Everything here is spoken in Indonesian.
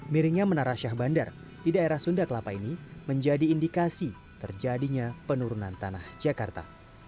miringnya menara syah bandar di daerah sunda kelapa ini menjadi indikasi terjadinya penurunan tanah jakarta